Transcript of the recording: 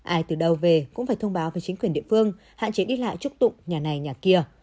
ai từ đầu về cũng phải thông báo với chính quyền địa phương hạn chế đi lại trúc tụng nhà này nhà kia